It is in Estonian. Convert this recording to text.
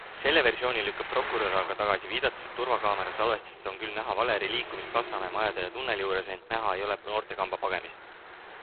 Selle versiooni lükkab prokurör aga tagasi, viidates, et turvakaamera salvestistest on küll näha Valeri liikumist Lasnamäe majade ja tunneli juures, ent näha ei ole noortekamba pagemist.